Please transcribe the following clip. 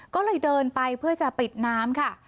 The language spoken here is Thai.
ก็เลยเดินไปเพื่อจะปิดน้ำค่ะ